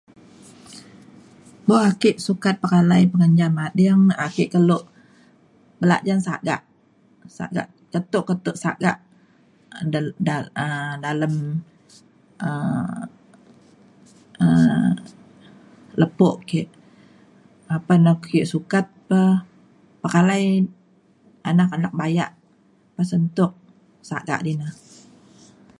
buk ake sukat pekalai pengenjam ading ake kelo belajen sagak sagak keto keto sagak um da-da- dalem um lepo ke apan ake sukat pa pekalai anak anak bayak pasen tuk sagak di na